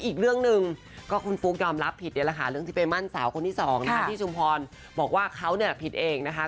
อีกเรื่องหนึ่งก็คุณฟุ๊กยอมรับผิดเนี่ยแหละค่ะเรื่องที่ไปมั่นสาวคนที่สองนะคะที่ชุมพรบอกว่าเขาเนี่ยผิดเองนะคะ